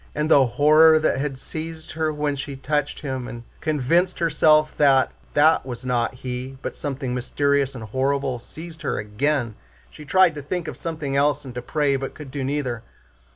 And the horror that had seized her when she touched him and convinced herself that that was not he, but something mysterious and horrible, seized her again. She tried to think of something else and to pray, but could do neither.